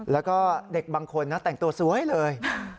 แล้วก็เด็กบางคนนะแต่งตัวสวยเลย